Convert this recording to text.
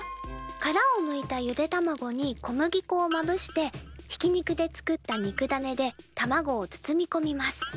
からをむいたゆで卵に小麦粉をまぶしてひき肉で作った肉だねで卵を包みこみます。